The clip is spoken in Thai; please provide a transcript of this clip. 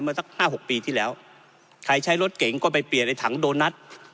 สักห้าหกปีที่แล้วใครใช้รถเก่งก็ไปเปลี่ยนในถังโดนัท